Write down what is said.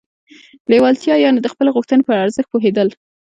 لېوالتیا يانې د خپلې غوښتنې پر ارزښت پوهېدل.